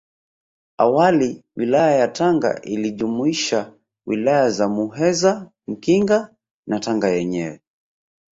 Awali Wilaya ya Tanga ilijumuisha Wilaya za Muheza Mkinga na Tanga yenyewe